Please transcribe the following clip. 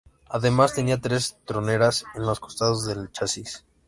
Además tenía tres troneras en los costados del chasis.